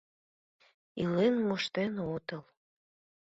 Илен моштен отыл...